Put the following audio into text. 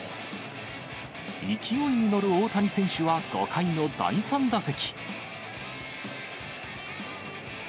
勢いに乗る大谷選手は５回の第３打席。